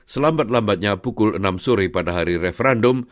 selambat lambatnya pukul enam sore pada hari referendum